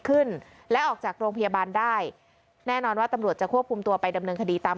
ขึ้นและออกจากโรงพยาบาลได้แน่นอนว่าตำรวจจะควบคุมตัวไปดำเนินคดีตาม